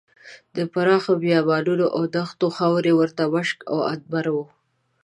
د پراخو بیابانونو او دښتونو خاورې ورته مشک او عنبر وو.